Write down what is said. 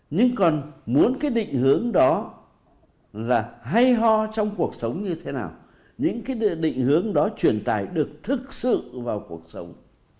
nhưng còn muốn cái định hướng đó là hay ho trong cuộc sống như thế nào những cái định hướng đó truyền tài được thực sự vào cuộc sống